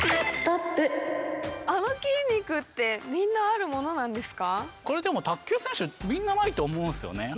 あの筋肉ってみんなあるものこれ卓球選手、みんなないと思うんですよね。